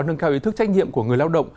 nâng cao ý thức trách nhiệm của người lao động